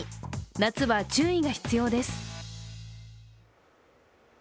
夏は注意が必要です。